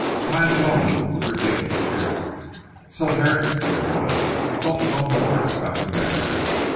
Time alone would reveal the truth, so Herrick for the moment thought no more about the matter.